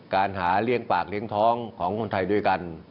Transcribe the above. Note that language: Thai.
หาเลี้ยงปากเลี้ยงท้องของคนไทยด้วยกัน